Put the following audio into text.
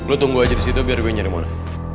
lo tunggu aja disitu biar gue nyari mona